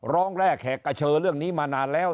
ร้องแรกแหกกระเชอเรื่องนี้มานานแล้ว